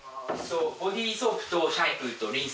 ボディーソープとシャンプーとリンスが。